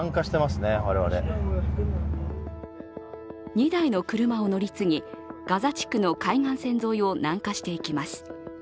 ２台の車を乗り継ぎ、ガザ地区の海岸線沿いを南下していきます。